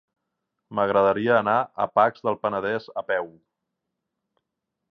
M'agradaria anar a Pacs del Penedès a peu.